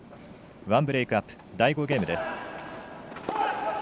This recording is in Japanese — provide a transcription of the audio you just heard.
１ブレークアップ、第５ゲーム。